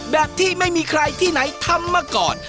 แบบที่ไม่มีใครที่ไหนทำมาก่อน